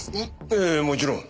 ええもちろん。